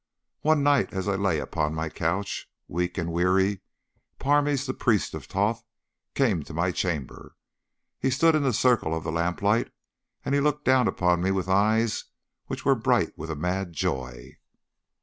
One night as I lay upon my couch, weak and weary, Parmes, the priest of Thoth, came to my chamber. He stood in the circle of the lamplight, and he looked down upon me with eyes which were bright with a mad joy.